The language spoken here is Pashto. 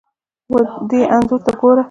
ودې انځور ته ګوره!